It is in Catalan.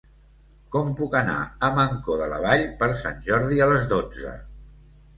Com puc anar a Mancor de la Vall per Sant Jordi a les dotze?